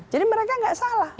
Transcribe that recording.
jadi mereka nggak salah